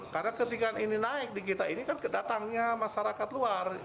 karena ketika ini naik di kita ini kan kedatangnya masyarakat luar